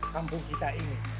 kampung kita ini